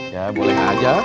ya boleh aja